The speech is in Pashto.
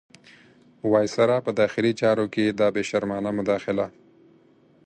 وایسرا په داخلي چارو کې دا بې شرمانه مداخله.